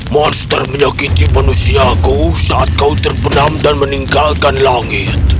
monster menyakiti manusiaku saat kau terpenam dan meninggalkan langit